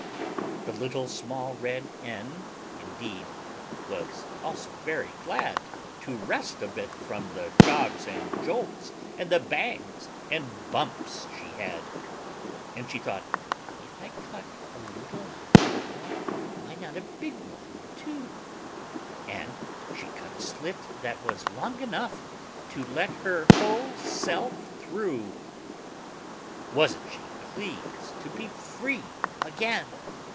The Little Small Red Hen, indeed, Was also very glad To rest a bit from the jogs and jolts' And the bangs and bumps she'd had. And she thought, "If I cut a little hole, Why not a big one too?" And she cut a slit that was long enough To let her whole self through! Wasn't she pleased to be free again!